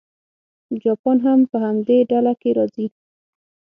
جاپان هم په همدې ډله کې راځي.